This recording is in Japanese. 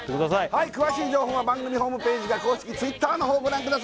はい詳しい情報は番組ホームページか公式Ｔｗｉｔｔｅｒの方ご覧ください